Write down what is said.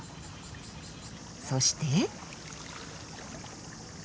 そして。